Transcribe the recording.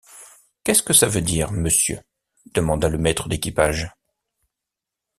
Qu’est-ce que ça veut dire, monsieur?... demanda le maître d’équipage.